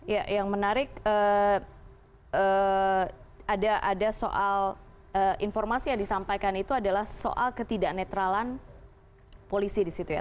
ya yang menarik ada soal informasi yang disampaikan itu adalah soal ketidak netralan polisi disitu ya